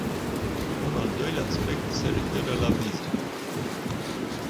Un al doilea aspect se referă la vize.